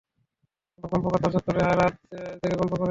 কোন গল্পকার তার চত্বরে রাত জেগে গল্প করেনি।